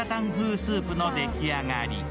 スープの出来上がり。